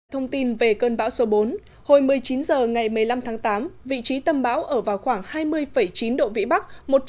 thông tin về cơn bão số bốn hồi một mươi chín h ngày một mươi năm tháng tám vị trí tâm bão ở vào khoảng hai mươi chín độ vĩ bắc